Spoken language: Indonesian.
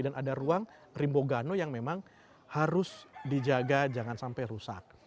dan ada ruang rimbogano yang memang harus dijaga jangan sampai rusak